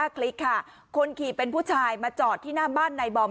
คลิกค่ะคนขี่เป็นผู้ชายมาจอดที่หน้าบ้านนายบอม